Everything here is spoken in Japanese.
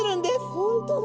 本当だ。